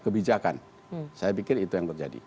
kebijakan saya pikir itu yang terjadi